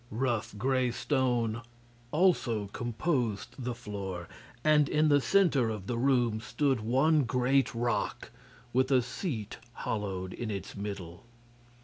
Rough gray stone also composed the floor, and in the center of the room stood one great rock with a seat hollowed in its middle.